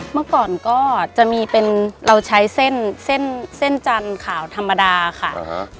เมื่อก่อนก็จะมีเป็นเราใช้เส้นเส้นเส้นจันทร์ขาวธรรมดาค่ะ